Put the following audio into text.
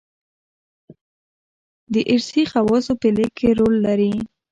دارثي خواصو په لېږد کې رول لري.